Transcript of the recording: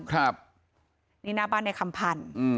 ครับนี่หน้าบ้านนายคำพันธุ์อืม